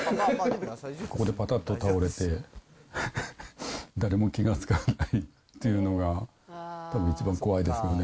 ここでぱたっと倒れて誰も気が付かないっていうのが、たぶん一番怖いですよね。